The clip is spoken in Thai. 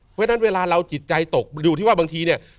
เพราะฉะนั้นเวลาเราจิตใจตกมันอยู่ที่ว่าบางทีเนี่ย